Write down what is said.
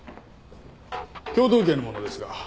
京都府警の者ですが。